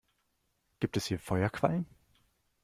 Gibt es hier Feuerquallen?